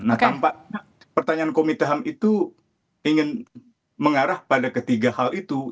nah tampaknya pertanyaan komite ham itu ingin mengarah pada ketiga hal itu